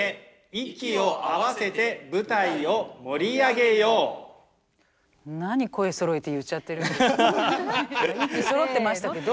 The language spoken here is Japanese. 息そろってましたけど。